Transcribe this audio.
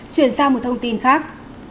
chuyển sang một thông tin khác